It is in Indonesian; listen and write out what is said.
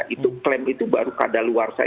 itu klaim itu baru keadaan luar sahab